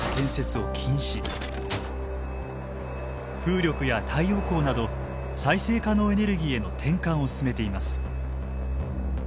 風力や太陽光など再生可能エネルギーへの転換を進めています。